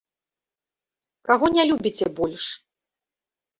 Каго не любіце больш?